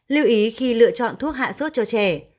lưu ý khi lựa chọn thuốc hạ sốt cho trẻ